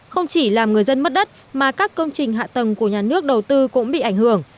không chỉ làm người dân mất đất mà các công trình hạ tầng của nhà nước đầu tư cũng bị ảnh hưởng